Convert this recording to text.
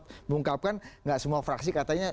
mengungkapkan nggak semua fraksi katanya